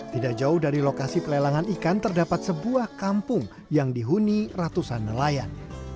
tidak jauh dari lokasi pelelangan ikan terdapat sebuah kampung yang dihuni ratusan nelayan